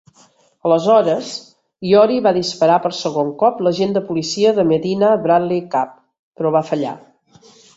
Aleshores, Yorie va disparar per segon cop l'agent de policia de Medina Bradley Kapp, però va fallar.